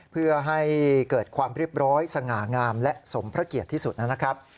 เพื่อให้เกิดความเรียบร้อยสง่างามและสมพระเกียรติที่สุดนะครับ